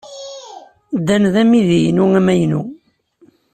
Dan d amidi-inu amaynu.